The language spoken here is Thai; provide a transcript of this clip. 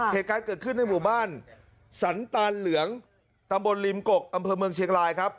เหตุการณ์เกิดขึ้นในหมู่บ้านสันตานเหลืองตำบลริมกกอำเภอเมืองเชียงรายครับ